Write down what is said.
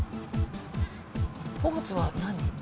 ポーズは何？